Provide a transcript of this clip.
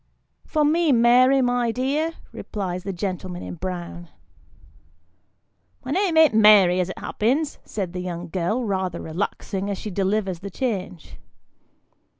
" For me, Mary, my dear," replies the gentleman in brown. " My name an't Mary as it happens," says the young girl, rather relaxing as she delivers the change.